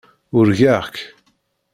Urgaɣ-k.